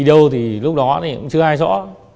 vì đâu thì lúc đó cũng chưa ai rõ